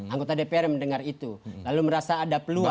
anggota dpr yang mendengar itu lalu merasa ada peluang